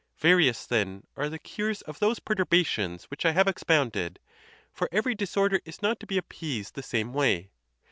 Various, then, are the cures of those perturbations which I have expounded, for every dis order is not to be appeased the same way.